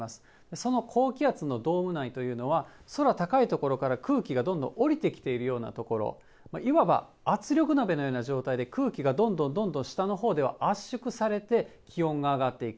その高気圧のドーム内というのは、空高い所から空気がどんどん下りてきているような所、いわば、圧力鍋のような状態で、空気がどんどん下のほうでは圧縮されて、気温が上がっていく。